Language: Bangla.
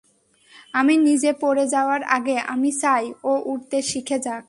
আমি নিজে পড়ে যাওয়ার আগে, আমি চাই ও উড়তে শিখে যাক।